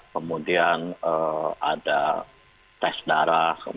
kemudian ada tes darah